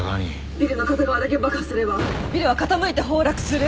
ビルの片側だけ爆破すればビルは傾いて崩落する。